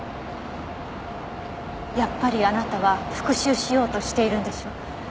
やっぱりあなたは復讐しようとしているんでしょ？